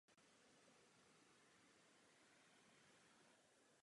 Dále pro výkon určitého povolání či činnosti jsou pro cizince stanoveny zvláštní podmínky.